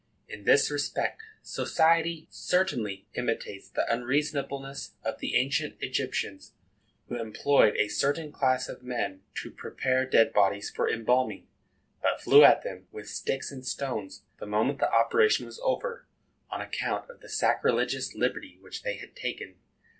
In this respect, society certainly imitates the unreasonableness of the ancient Egyptians, who employed a certain class of men to prepare dead bodies for embalming, but flew at them with sticks and stones the moment the operation was over, on account of the sacrilegious liberty which they had taken.